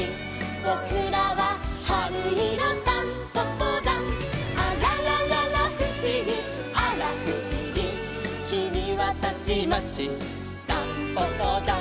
「ぼくらははるいろタンポポだん」「あららららふしぎあらふしぎ」「きみはたちまちタンポポだん」